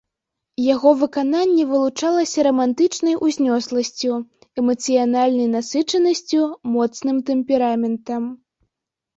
Яго выкананне вылучалася рамантычнай узнёсласцю, эмацыянальнай насычанасцю, моцным тэмпераментам.